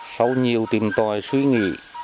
sau nhiều tìm tòi suy nghĩ